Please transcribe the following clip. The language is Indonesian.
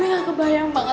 tiana kebayang banget